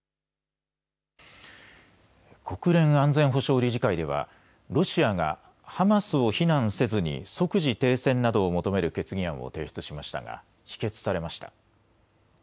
国連安全保障理事会ではロシアがハマスを非難せずに即時停戦などを求める決議案を提出しましたが否決されました。